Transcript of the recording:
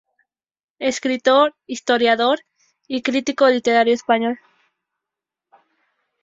Escritor, historiador y crítico literario español.